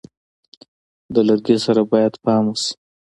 د لرګي سره باید پام وشي.